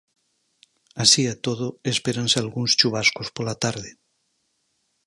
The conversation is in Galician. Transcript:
Así e todo espéranse algúns chuvascos pola tarde.